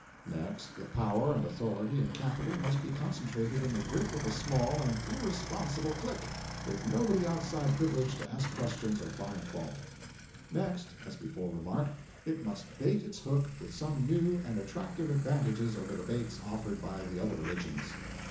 Next, the power and authority and capital must be concentrated in the grip of a small and irresponsible clique, with nobody outside privileged to ask questions or find fault. Next, as before remarked, it must bait its hook with some new and attractive advantages over the baits offered by the other religions.